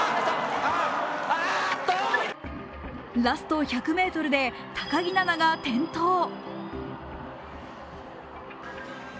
ラスト１００ｍで高木菜那が転倒。